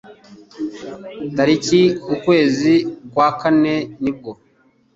Tariki ukwezi kwa kane nibwo azaza